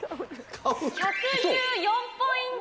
１１４ポイント。